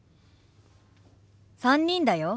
３人だよ。